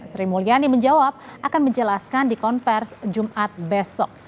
sri mulyani menjawab akan menjelaskan di konversi jumat besok